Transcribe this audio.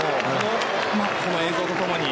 この映像と共に。